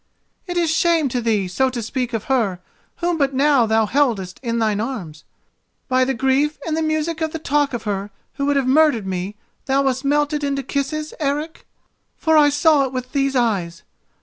"It is shame to thee so to speak of her whom but now thou heldest in thine arms. By the grief and the music of the talk of her who would have murdered me thou wast melted into kisses, Eric!—for I saw it with these eyes.